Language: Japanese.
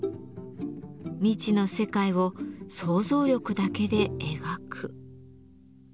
未知の世界を想像力だけで描く。